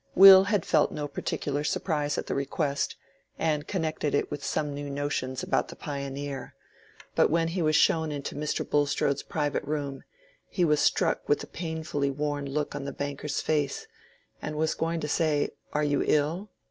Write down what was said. Will had felt no particular surprise at the request, and connected it with some new notions about the "Pioneer;" but when he was shown into Mr. Bulstrode's private room, he was struck with the painfully worn look on the banker's face, and was going to say, "Are you ill?"